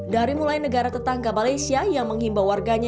dari mulai negara tetangga malaysia yang menghimbau warganya